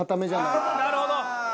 なるほど！